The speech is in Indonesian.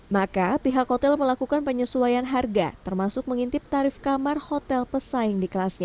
maka pihak hotel melakukan penyesuaian harga termasuk mengintip tarif kamar hotel pesaing di kelasnya